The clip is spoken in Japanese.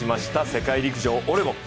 世界陸上オレゴン。